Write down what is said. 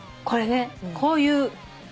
これねこういう。